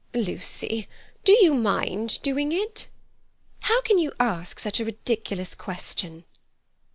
"Lucy, do you mind doing it?" "How can you ask such a ridiculous question?"